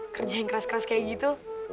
kerja yang keras keras kayak gitu